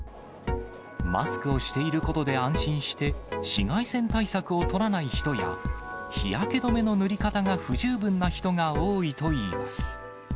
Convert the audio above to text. マスクをしていることで安心して、紫外線対策を取らない人や、日焼け止めの塗り方が不十分な人が多いといいます。